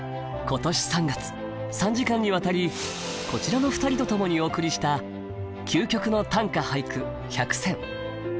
今年３月３時間にわたりこちらの２人と共にお送りした「究極の短歌・俳句１００選」。